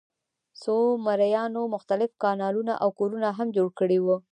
سومریانو مختلف کانالونه او کورونه هم جوړ کړي وو.